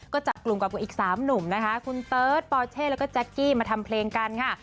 ก็จับกลุ่มกับอีก๓หนุ่มนะคะคุณเติร์ทปอเช่แล้วก็แจ๊กกี้มาทำเพลงกันค่ะ